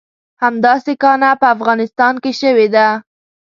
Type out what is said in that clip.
همداسې کانه په افغانستان کې شوې ده.